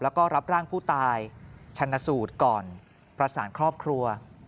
แล้วก็รับร่างผู้ตายชันสูตรก่อนประสานครอบครัว